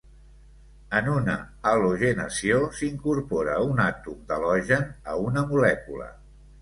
En una halogenació s'incorpora un àtom d'halogen a una molècula.